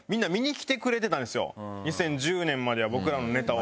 ２０１０年までは僕らのネタを。